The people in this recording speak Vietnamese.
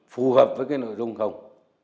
phù hợp với cái nội dung không